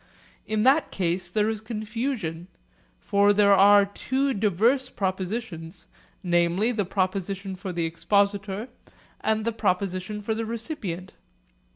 In that case there is confusion; for there are two diverse propositions, namely the proposition for the expositor and the proposition for the recipient.